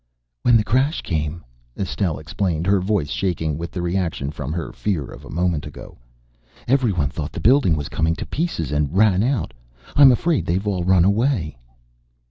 "When the crash came," Estelle explained, her voice shaking with the reaction from her fear of a moment ago, "every one thought the building was coming to pieces, and ran out. I'm afraid they've all run away."